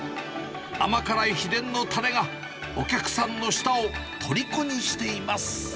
甘辛い秘伝のたれが、お客さんの舌をとりこにしています。